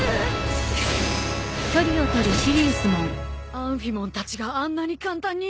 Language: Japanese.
アンフィモンたちがあんなに簡単に。